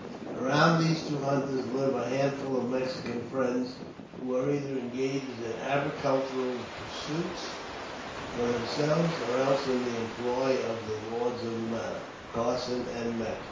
Around these two hunters live a handful of Mexican friends, who are either engaged in agricultural pursuits for themselves, or else in the employ of the "lords of the manor," Carson and Maxwell.